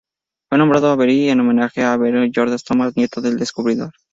Fue nombrado Avery en homenaje a "Avery Jordan Thomas" nieto del descubridor.